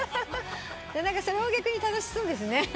それも逆に楽しそうですね。